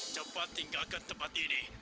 cepat tinggalkan tempat ini